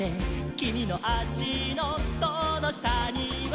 「きみのあしのそのしたには」